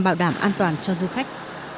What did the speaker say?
bảo đảm an toàn cho du khách